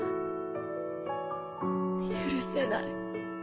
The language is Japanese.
許せない。